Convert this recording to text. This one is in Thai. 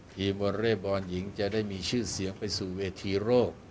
วอเรย์บอลหญิงจะได้มีชื่อเสียงไปสู่เวทีโลก